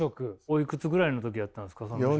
おいくつぐらいの時やったんですか？